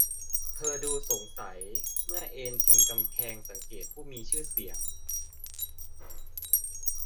เธอดูสงสัยเมื่อเอนพิงกำแพงสังเกตผู้มีชื่อเสียง